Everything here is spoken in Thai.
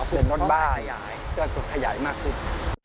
เป็นรถบ้าใหญ่ก็จะขยายมากขึ้น